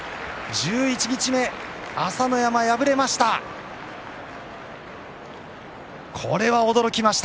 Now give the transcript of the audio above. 十一日目、朝乃山敗れました。